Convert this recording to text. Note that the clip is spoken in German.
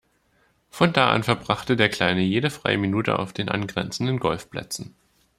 Von da an verbrachte der Kleine jede freie Minute auf den angrenzenden Golfplätzen.